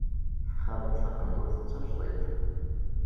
Txaḍ-d taqendurt d tajdiṭ.